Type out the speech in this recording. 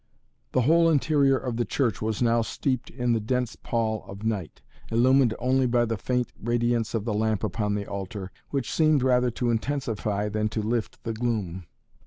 The whole interior of the church was now steeped in the dense pall of night, illumined only by the faint radiance of the lamp upon the altar, which seemed rather to intensify than to lift the gloom.